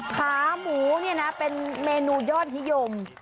ขาหมูเนี่ยนะเป็นเมนูยอดนิยม